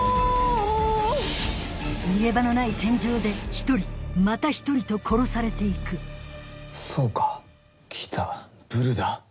逃げ場のない船上で１人また１人と殺されて行くそうか来たブルだ。